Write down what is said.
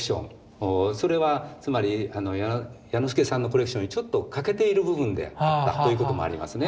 それはつまり彌之助さんのコレクションにちょっと欠けている部分であったということもありますね。